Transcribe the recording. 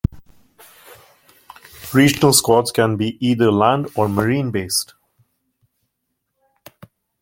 Regional squads can be either land or marine based.